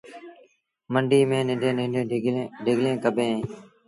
منڊيٚ ميݩ ننڍيٚݩ ننڍيٚݩ ڍڳليٚن ڪبيٚن اوهيݩ